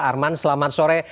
arman selamat sore